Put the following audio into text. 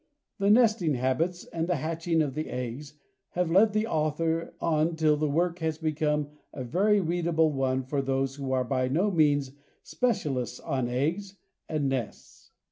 The nesting habits and the hatching of the eggs have led the author on till the work has become a very readable one for those who are by no means specialists on eggs and nests.